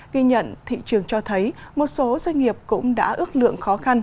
ghi nhận thị trường cho thấy một số doanh nghiệp cũng đã ước lượng khó khăn